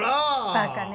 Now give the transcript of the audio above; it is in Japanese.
バカね